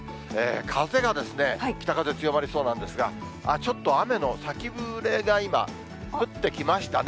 風が、北風強まりそうなんですが、ちょっと、雨の先触れが今、降ってきましたね。